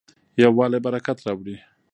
یووالی برکت راوړي.